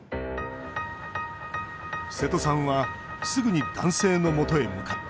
瀬戸さんはすぐに男性のもとへ向かった